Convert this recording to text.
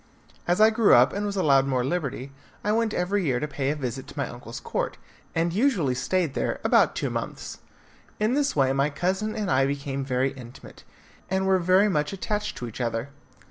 As I grew up, and was allowed more liberty, I went every year to pay a visit to my uncle's court, and usually stayed there about two months. In this way my cousin and I became very intimate, and were much attached to each other.